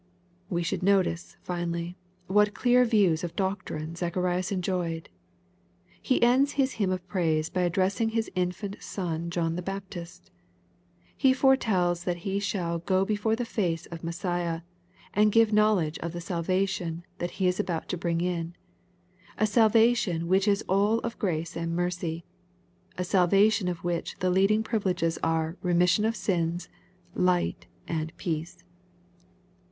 We should notice, finally, what clear views of doctrine ZacJiarias enjoyed. He ends his hymn of praise by addressing his infant son John the Baptist. He fore« tells that he shall " go before the face" of Messiah, and *' give knowledge of the salvation" that He is about to bring in, — a salvation which is all of grace and mercy, '— a salvation of which the leading privileges are " re mission of sins," "light," and "peace."